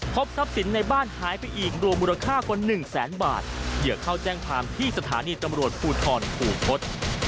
ทรัพย์สินในบ้านหายไปอีกรวมมูลค่ากว่าหนึ่งแสนบาทเหยื่อเข้าแจ้งความที่สถานีตำรวจภูทรคูคศ